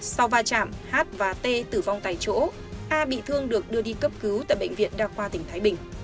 sau va chạm hát và t tử vong tại chỗ a bị thương được đưa đi cấp cứu tại bệnh viện đa khoa tỉnh thái bình